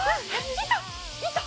いた！